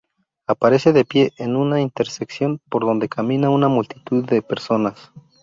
Aparece de pie, en una intersección por donde camina una multitud de personas.